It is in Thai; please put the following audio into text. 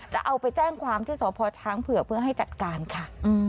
จะเอาไปแจ้งความที่สพช้างเผือกเพื่อให้จัดการค่ะ